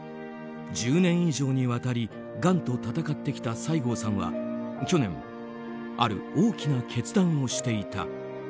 １０年以上にわたりがんと闘ってきた西郷さんは去年、ある大きな決断をしていた。